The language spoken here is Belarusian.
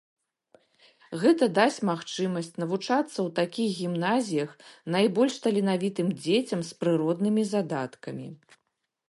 Гэта дасць магчымасць навучацца ў такіх гімназіях найбольш таленавітым дзецям з прыроднымі задаткамі.